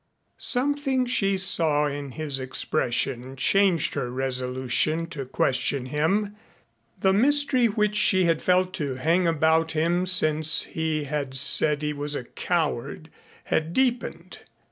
Something she saw in his expression changed her resolution to question him. The mystery which she had felt to hang about him since he had said he was a coward had deepened.